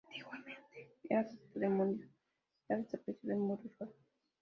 Antiguamente era capital del municipio ya desaparecido de Muro de Roda.